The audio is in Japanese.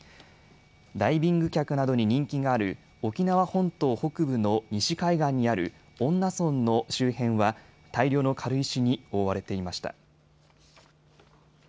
ダイビング客などに人気がある沖縄本島北部の西海岸にある恩納村の周辺は大量の軽石に覆われていました。